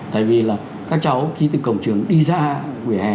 tại vì là các cháu khi từ cổng trường đi ra vỉa hè